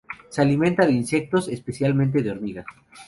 Se alimenta de insectos, especialmente de hormigas.